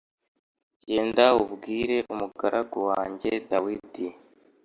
“Genda ubwire umugaragu wanjye Dawidi